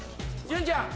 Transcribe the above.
潤ちゃん！